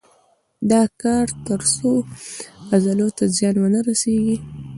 دا کار تر څو عضلو ته زیان ونه رسېږي.